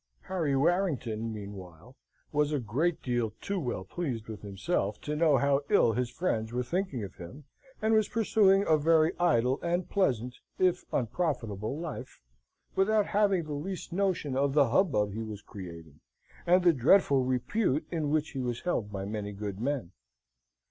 Harry Warrington meanwhile was a great deal too well pleased with himself to know how ill his friends were thinking of him, and was pursuing a very idle and pleasant, if unprofitable, life, without having the least notion of the hubbub he was creating, and the dreadful repute in which he was held by many good men.